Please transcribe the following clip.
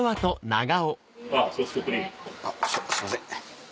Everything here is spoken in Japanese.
すいません。